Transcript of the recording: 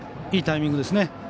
いいタイミングですね。